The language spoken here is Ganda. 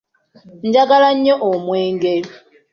Njagala nnyo omwenge.